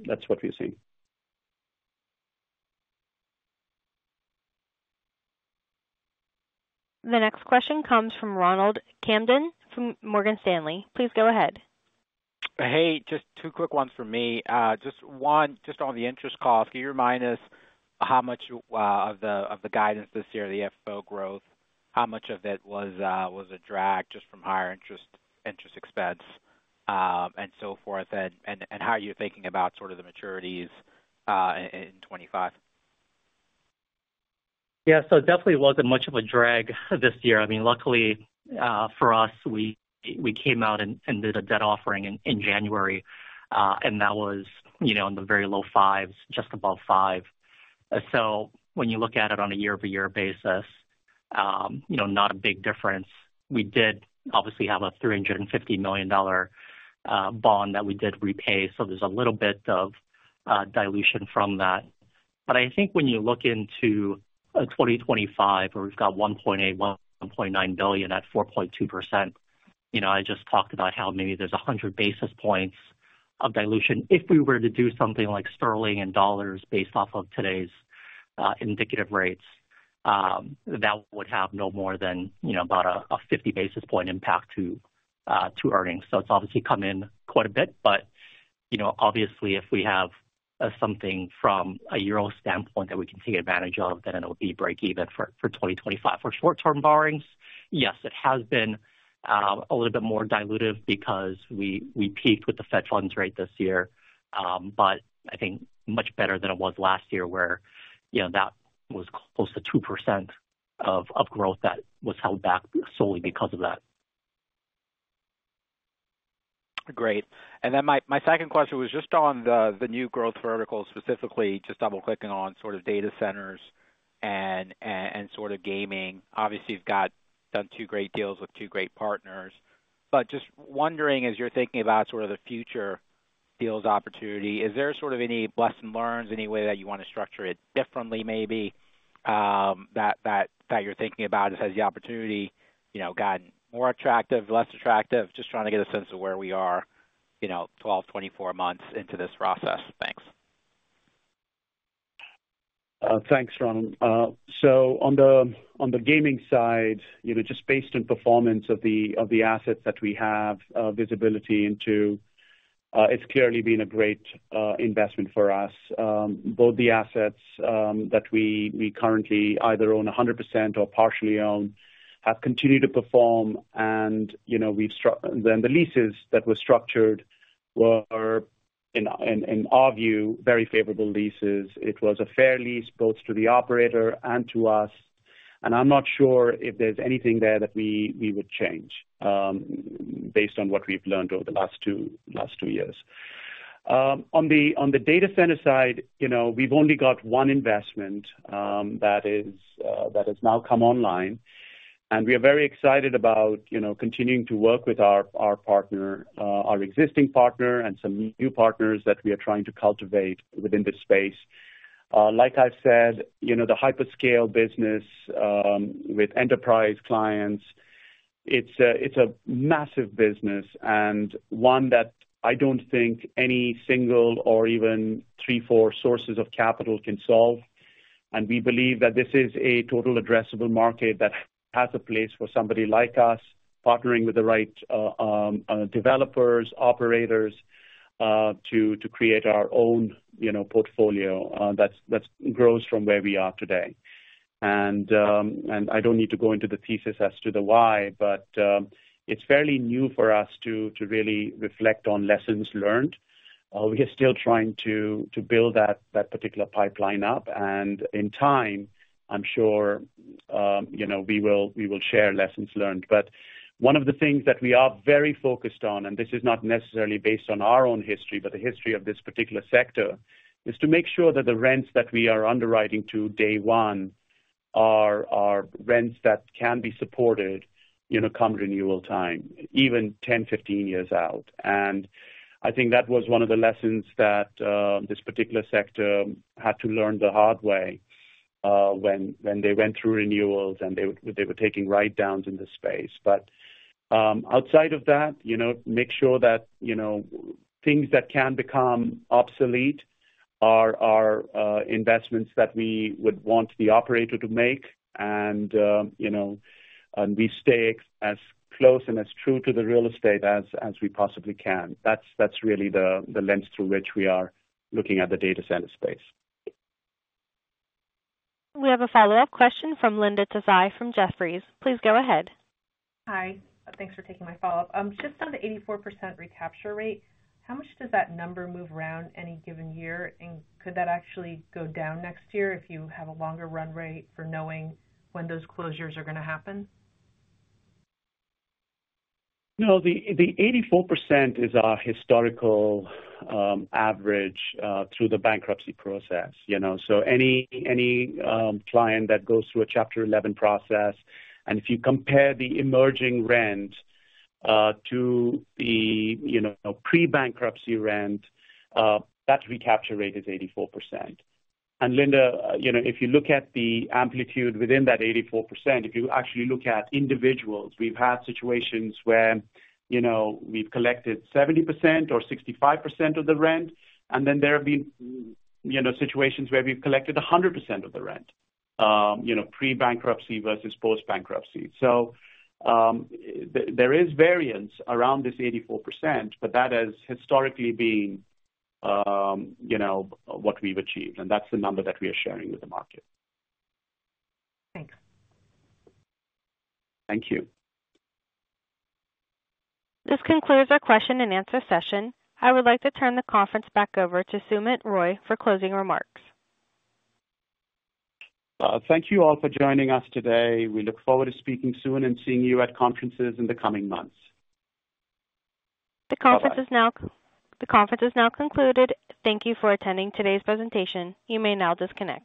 Speaker 3: that's what we're seeing.
Speaker 1: The next question comes from Ronald Kamdem, from Morgan Stanley. Please go ahead.
Speaker 15: Hey, just two quick ones from me. Just one, just on the interest cost. Can you remind us how much of the guidance this year, the FFO growth, how much of it was a drag just from higher interest expense, and so forth? And how are you thinking about sort of the maturities in 2025?
Speaker 4: Yeah. So it definitely wasn't much of a drag this year. I mean, luckily, for us, we came out and did a debt offering in January, and that was, you know, in the very low fives, just above five. So when you look at it on a year-over-year basis, you know, not a big difference. We did obviously have a $350 million bond that we did repay, so there's a little bit of dilution from that. But I think when you look into 2025, where we've got $1.8-$1.9 billion at 4.2%, you know, I just talked about how maybe there's a hundred basis points of dilution. If we were to do something like sterling and dollars based off of today's indicative rates, that would have no more than, you know, about a 50 basis points impact to earnings. So it's obviously come in quite a bit, but, you know, obviously, if we have something from a Euro standpoint that we can take advantage of, then it'll be breakeven for 2025. For short-term borrowings, yes, it has been a little bit more dilutive because we peaked with the Fed funds rate this year. But I think much better than it was last year, where, you know, that was close to 2% of growth that was held back solely because of that.
Speaker 15: Great. And then my second question was just on the new growth vertical, specifically just double-clicking on sort of data centers and sort of gaming. Obviously, you've got done two great deals with two great partners. But just wondering, as you're thinking about sort of the future deals opportunity, is there sort of any lessons learned, any way that you want to structure it differently maybe, that you're thinking about as the opportunity, you know, gotten more attractive, less attractive? Just trying to get a sense of where we are, you know, 12, 24 months into this process. Thanks.
Speaker 3: Thanks, Ron. So on the gaming side, you know, just based on performance of the assets that we have visibility into, it's clearly been a great investment for us. Both the assets that we currently either own 100% or partially own have continued to perform and, you know, the leases that were structured were in our view very favorable leases. It was a fair lease both to the operator and to us, and I'm not sure if there's anything there that we would change based on what we've learned over the last two years. On the data center side, you know, we've only got one investment that has now come online, and we are very excited about, you know, continuing to work with our partner, our existing partner and some new partners that we are trying to cultivate within this space. Like I've said, you know, the hyperscale business with enterprise clients, it's a massive business and one that I don't think any single or even three, four sources of capital can solve. And we believe that this is a total addressable market that has a place for somebody like us, partnering with the right developers, operators, to create our own, you know, portfolio that's that grows from where we are today. And I don't need to go into the thesis as to the why, but it's fairly new for us to really reflect on lessons learned. We are still trying to build that particular pipeline up, and in time, I'm sure, you know, we will share lessons learned. But one of the things that we are very focused on, and this is not necessarily based on our own history, but the history of this particular sector, is to make sure that the rents that we are underwriting to day one are rents that can be supported, you know, come renewal time, even 10, 15 years out. And I think that was one of the lessons that this particular sector had to learn the hard way, when they went through renewals, and they were taking write-downs in this space. But outside of that, you know, make sure that, you know, things that can become obsolete are investments that we would want the operator to make. And you know, and we stay as close and as true to the real estate as we possibly can. That's really the lens through which we are looking at the data center space.
Speaker 1: We have a follow-up question from Linda Tsai from Jefferies. Please go ahead.
Speaker 12: Hi. Thanks for taking my follow-up. Just on the 84% recapture rate, how much does that number move around any given year? And could that actually go down next year if you have a longer run rate for knowing when those closures are gonna happen?
Speaker 3: No, the 84% is our historical average through the bankruptcy process, you know. So any client that goes through a Chapter 11 process, and if you compare the emergence rent to the, you know, pre-bankruptcy rent, that recapture rate is 84%. And Linda, you know, if you look at the amplitude within that 84%, if you actually look at individuals, we've had situations where, you know, we've collected 70% or 65% of the rent, and then there have been, you know, situations where we've collected 100% of the rent, you know, pre-bankruptcy versus post-bankruptcy. So, there is variance around this 84%, but that has historically been, you know, what we've achieved, and that's the number that we are sharing with the market.
Speaker 12: Thanks.
Speaker 3: Thank you.
Speaker 4: This concludes our question-and-answer session. I would like to turn the conference back over to Sumit Roy for closing remarks.
Speaker 3: Thank you all for joining us today. We look forward to speaking soon and seeing you at conferences in the coming months.
Speaker 4: The conference is now-
Speaker 3: Bye-bye.
Speaker 4: The conference is now concluded. Thank you for attending today's presentation. You may now disconnect.